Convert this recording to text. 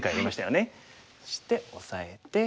そしてオサえて。